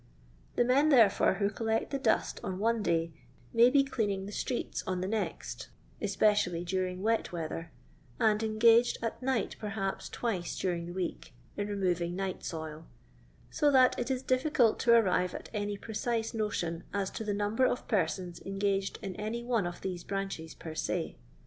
The men, therefore, who collect the dust on one day may be cleaning tlie strceU on the next, espedally dnriiig wet weather, and engaged at night, perhaps, twiee daring the week, in re moving nightsoii ; so that it is difficult to arrive at any precise notion as to the nomber of persons engaged in any one of these branches per te.